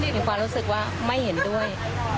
มีความรู้สึกว่าไม่เห็นด้วย